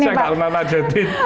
saya nggak pernah najetin